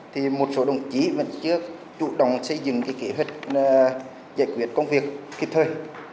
thì một số đồng chí vẫn chưa chủ động xây dựng cái kế hoạch giải quyết công việc kịp thời